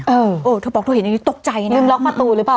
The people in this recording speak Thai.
เออเธอบอกเธอเห็นอย่างนี้ตกใจนะลืมล็อกประตูหรือเปล่า